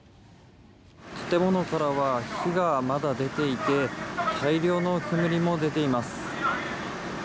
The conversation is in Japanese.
建物からは火がまだ出ていて大量の煙も出ています。